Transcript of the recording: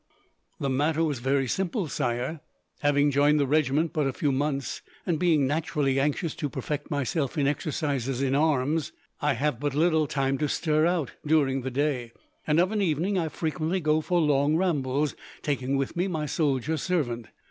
"The matter was very simple, Sire. Having joined the regiment but a few months, and being naturally anxious to perfect myself in exercises in arms, I have but little time to stir out, during the day, and of an evening I frequently go for long rambles, taking with me my soldier servant.